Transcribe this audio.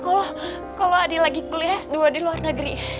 kalau adik lagi kuliah s dua di luar negeri